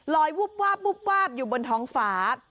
วูบวาบอยู่บนท้องฟ้า